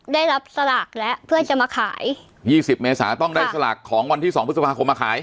ได้รับสลากและเพื่อจะมาขายยี่สิบเมษาต้องได้สลากของวันที่สองพฤษภาคมมาขาย